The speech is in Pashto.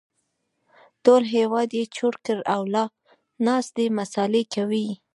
ټول هېواد يې چور کړ او لا ناست دی مسالې کوي